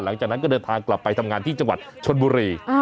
หลังจากนั้นก็เดินทางกลับไปทำงานที่จังหวัดชนบุรี